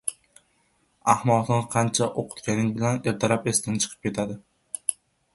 • Ahmoqni qancha o‘qitganing bilan ertalab esidan chiqib ketadi.